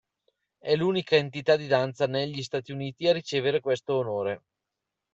È l'unica entità di danza negli Stati Uniti a ricevere questo onore.